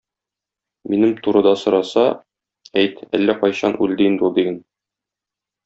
Минем турыда сораса, әйт - әллә кайчан үлде инде ул, диген.